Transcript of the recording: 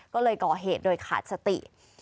ก็เลยก่อเหตุโดยขาดสติ